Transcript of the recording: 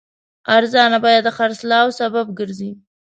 ارزانه بیه د خرڅلاو سبب ګرځي.